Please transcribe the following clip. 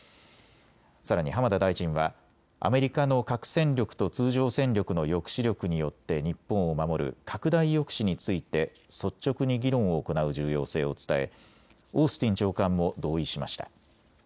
さらに浜田大臣はアメリカの核戦力と通常戦力の抑止力によって日本を守る拡大抑止について率直に議論を行う重要性を伝え、オースティン長官も同意しました。